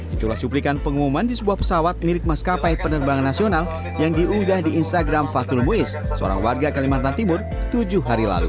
itulah cuplikan pengumuman di sebuah pesawat mirip maskapai penerbangan nasional yang diunggah di instagram fatul muis seorang warga kalimantan timur tujuh hari lalu